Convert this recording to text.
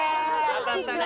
当たったね。